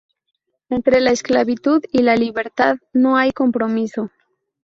Entre la esclavitud y la libertad, no hay compromiso.